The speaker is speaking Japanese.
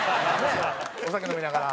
お酒飲みながら。